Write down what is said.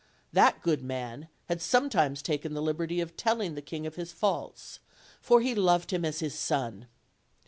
That good man had sometimes taken the liberty of telling the king of his faults, for he loved him as his son.